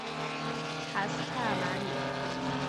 卡斯泰尔马里。